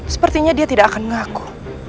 sepertinya dia tidak akan ngaku